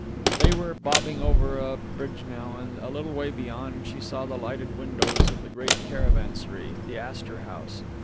They were bobbing over a bridge now, and a little way beyond she saw the lighted windows of the great caravansary, the Astor House.